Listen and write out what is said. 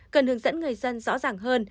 cần hướng dẫn người dân rõ ràng hơn